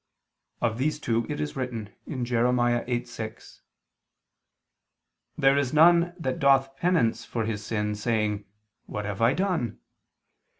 Of these two it is written (Jer. 8:6): "There is none that doth penance for his sin, saying: What have I done?"